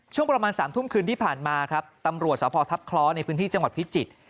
ช่วงประมาณ๓ทุ่มคืนที่ผ่านมาครับตำรวจสพทัพคล้อในพื้นที่จังหวัดพิจิตร